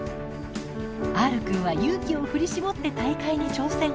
Ｒくんは勇気を振り絞って大会に挑戦。